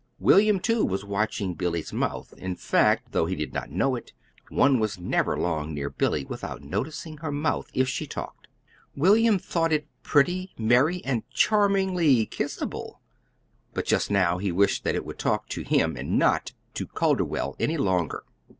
William, too, was watching Billy's mouth; in fact though he did not know it one never was long near Billy without noticing her mouth, if she talked. William thought it pretty, merry, and charmingly kissable; but just now he wished that it would talk to him, and not to Calderwell any longer.